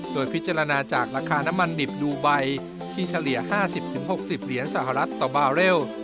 โดยพิจารณาจากราคาน้ำมันดิบดูไบที่เฉลี่ย๕๐๖๐เหรียญสหรัฐต่อบาร์เรล